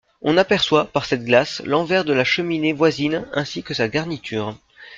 On aperçoit, par cette glace, l'envers de la cheminée voisine ainsi que sa garniture.